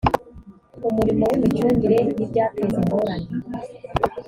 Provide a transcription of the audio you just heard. umurimo w imicungire y ibyateza ingorane